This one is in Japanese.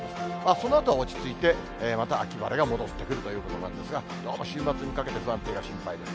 そのあとは落ち着いて、また秋晴れが戻ってくるということなんですが、どうも週末にかけて不安定が心配です。